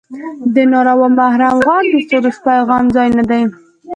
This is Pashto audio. د ناروا محرم غوږ د سروش پیغام ځای نه دی.